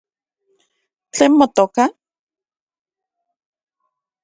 ¿Tlen motoka?